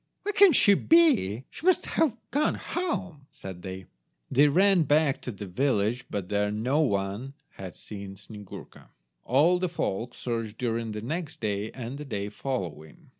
"Where can she be? She must have gone home," said they. They ran back to the village, but there no one had seen Snyegurka. All the folk searched during the next day and the day following.